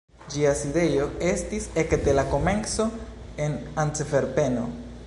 Ĝia sidejo estis ekde la komenco en Antverpeno.